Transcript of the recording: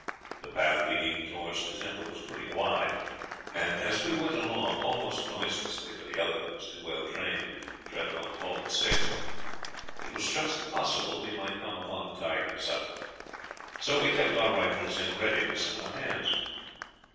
The path leading towards the temple was pretty wide, and as we went along almost noiselessly, for the elephant was too well trained to tread upon fallen sticks, it was just possible we might come upon the tiger suddenly, so we kept our rifles in readiness in our hands.